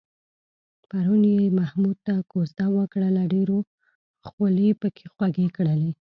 پرون یې محمود ته کوزده وکړله، ډېرو خولې پکې خوږې کړلې.